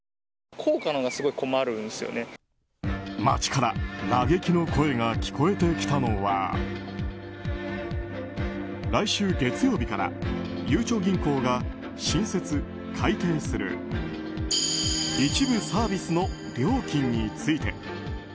街から、嘆きの声が聞こえてきたのは来週月曜日からゆうちょ銀行が新設・改訂する一部サービスの料金について。